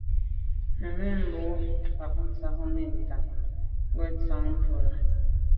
Memo’ bèn mfa’ ntsha mi ntàn ke ntsha bwe’e lo.